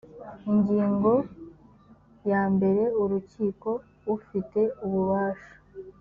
ingingo ya mbere urukiko ufite ububasha